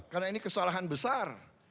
karena ini kesalahan besar